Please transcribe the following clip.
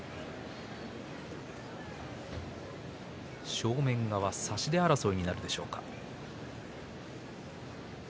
正面側の差し手争いになるんでしょうか。